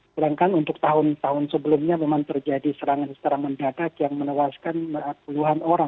sedangkan untuk tahun tahun sebelumnya memang terjadi serangan secara mendadak yang menewaskan puluhan orang